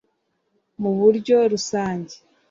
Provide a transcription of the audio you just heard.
Mu buryo rusange